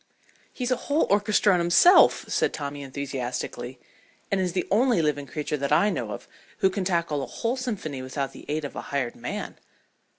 "He's a whole orchestra in himself," said Tommy enthusiastically, "and is the only living creature that I know of who can tackle a whole symphony without the aid of a hired man."